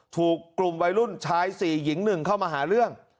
ถูกกลุ่มวัยรุ่นชาย๔หญิง๑เข้ามาหาเรื่อง